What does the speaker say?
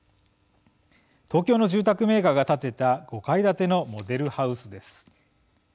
東京の住宅メーカーが建てた５階建てのモデルハウスです。